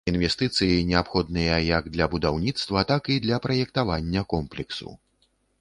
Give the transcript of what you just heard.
Інвестыцыі неабходныя як для будаўніцтва, так і для праектавання комплексу.